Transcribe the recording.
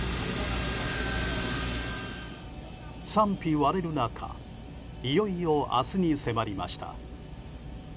賛否割れる中いよいよ明日に迫りました。